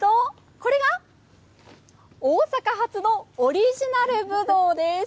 これが大阪初のオリジナルぶどうです。